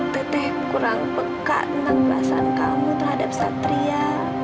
teteh kurang peka tentang perasaan kamu terhadap satria